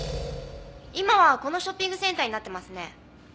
今はこのショッピングセンターになっていますね。